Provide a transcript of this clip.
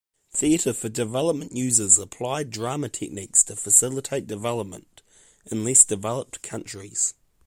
Theatre for Development uses Applied Drama techniques to facilitate development in less developed countries.